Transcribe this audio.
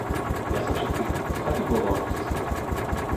Ja sa však pýtam, s akým globálnym ziskom?